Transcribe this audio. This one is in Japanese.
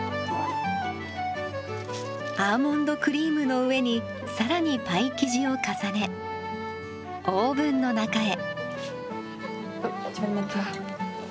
アーモンドクリームの上にさらにパイ生地を重ねオーブンの中へ。